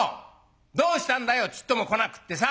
どうしたんだよちっとも来なくってさ。